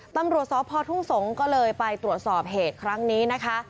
ตำรวจสพทุ่งสงศ์ก็เลยไปตรวจสอบเหตุครั้งนี้นะคะ